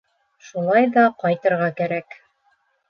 Шулай ҙа ҡайтырға кәрәк.